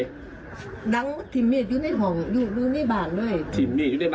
มีดที่ตัวเนื่อยขึ้นมีอีธที่บรมมีดกลาง